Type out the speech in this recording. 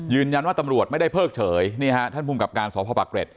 ตำรวจไม่ได้เพิกเฉยนี่ฮะท่านภูมิกับการสพปะเกร็ด